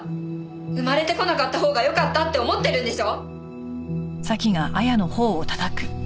生まれてこなかったほうがよかったって思ってるんでしょ？